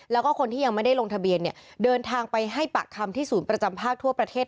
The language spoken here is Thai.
แล้วก็คนที่ยังไม่ได้ลงทะเบียนเนี่ยเดินทางไปให้ปากคำที่ศูนย์ประจำภาคทั่วประเทศ